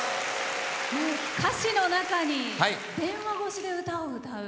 歌詞の中に電話越しで歌を歌う。